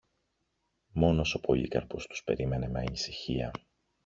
Μόνος ο Πολύκαρπος τους περίμενε με ανησυχία